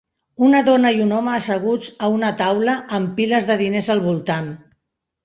una dona i un home asseguts a una taula amb piles de diners al voltant.